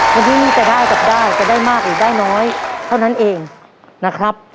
วันนี้จะได้กับได้จะได้มากหรือได้น้อยเท่านั้นเองนะครับ